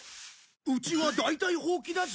うちは大体ホウキだぞ。